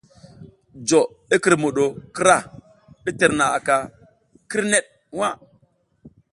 Jo i kǝrmuɗo krah i tǝrnaʼaka kǝrnek nwa.